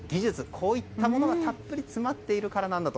こういったものがたっぷり詰まっているからなんだと。